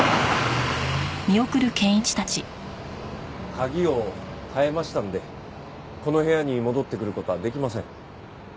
鍵を換えましたのでこの部屋に戻ってくる事はできません。